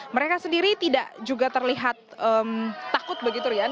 mereka sendiri tidak juga terlihat takut begitu rian